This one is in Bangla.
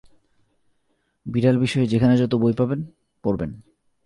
বিড়াল বিষয়ে যেখানে যত বই পাবেন, পড়বেন।